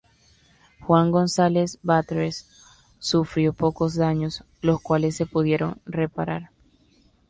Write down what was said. Juan González Batres sufrió pocos daños, los cuales se pudieron reparar.